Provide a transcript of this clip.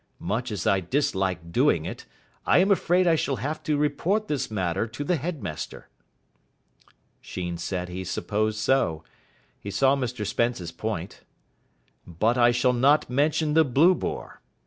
Much as I dislike doing it, I am afraid I shall have to report this matter to the headmaster." Sheen said he supposed so. He saw Mr Spence's point. "But I shall not mention the 'Blue Boar'.